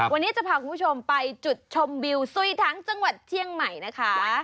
วันนี้จะพาคุณผู้ชมไปจุดชมวิวซุ้ยทั้งจังหวัดเชียงใหม่นะคะ